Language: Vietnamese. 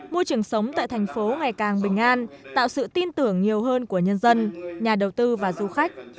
môi trường sống tại thành phố ngày càng bình an tạo sự tin tưởng nhiều hơn của nhân dân nhà đầu tư và du khách